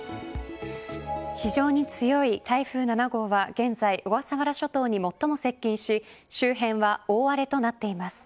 非常に強い台風７号は現在、小笠原諸島に最も接近し周辺は大荒れとなっています。